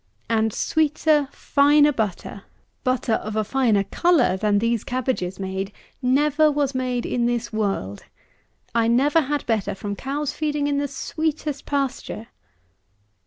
And sweeter, finer butter, butter of a finer colour, than these cabbages made, never was made in this world. I never had better from cows feeding in the sweetest pasture.